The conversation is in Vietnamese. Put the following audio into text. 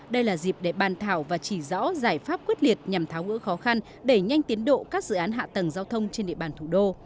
đây là dịp để bàn thảo và chỉ rõ giải pháp quyết liệt nhằm tháo gỡ khó khăn đẩy nhanh tiến độ các dự án hạ tầng giao thông trên địa bàn thủ đô